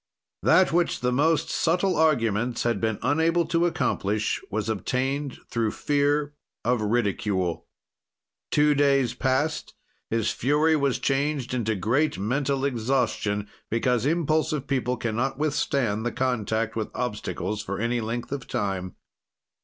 "That which the most subtle arguments had been unable to accomplish, was obtained through fear of ridicule. "Two days passed; his fury was changed into great mental exhaustion, because impulsive people can not withstand the contact with obstacles for any length of time.